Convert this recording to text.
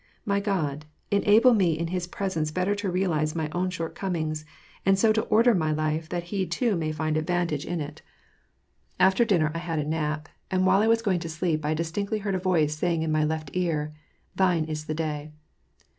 My God! enable me in his presence better to realize my own shortcomings, and so to order my life that he too may find advantage in 186 WAR AND PSACe. iL After dinner I had a nap, and while I was going to sleep I disdiictly beard a voice saying in my left ear, Thine is tlie day."